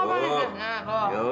satu setengah jambesuk